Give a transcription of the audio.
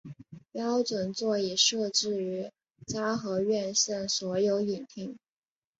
标准座椅设置于嘉禾院线所有影厅。